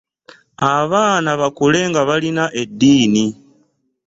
Abaana bakule nga balina eddiini.